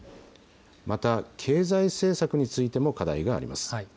また経済政策についても課題があります。